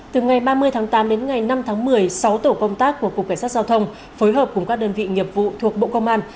từ ngày ba mươi tháng tám đến ngày năm tháng một mươi sáu tổ công tác của cục cảnh sát giao thông phối hợp cùng các đơn vị nghiệp vụ thuộc bộ công an